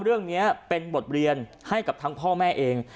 เรื่องนี้เป็นบทเรียนให้กับทั้งพ่อแม่เอง